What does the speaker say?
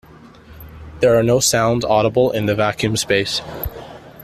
There are no sounds audible in the vacuum of space.